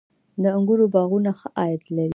د انګورو باغونه ښه عاید لري؟